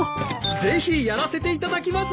ぜひやらせていただきます！